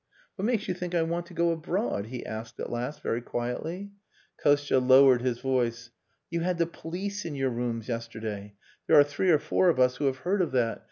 "What makes you think I want to go abroad?" he asked at last very quietly. Kostia lowered his voice. "You had the police in your rooms yesterday. There are three or four of us who have heard of that.